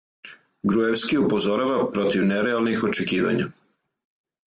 Груевски упозорава против нереалних очекивања.